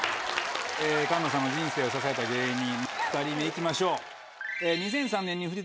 菅野さんの人生を支えた芸人２人目行きましょう。